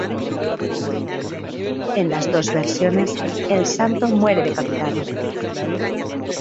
En las dos versiones, el santo muere decapitado.